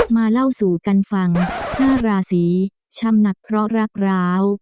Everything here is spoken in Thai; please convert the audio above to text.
มาเล่าสู่กันฟัง๕ราศีช่ำหนักเพราะรักร้าว